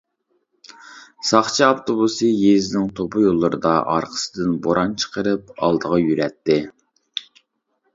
ساقچى ئاپتوبۇسى يېزىنىڭ توپا يوللىرىدا ئارقىسىدىن بوران چىقىرىپ ئالدىغا يۈرەتتى.